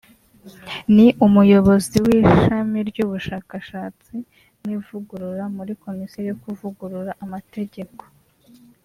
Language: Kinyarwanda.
ni Umuyobozi w’Ishami ry’Ubushakashatsi n’Ivugurura muri Komisiyo yo Kuvugurura Amategeko;